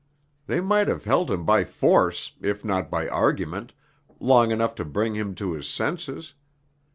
They might have held him by force, if not by argument, long enough to bring him to his senses.